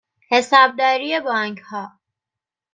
حسابداری بانکها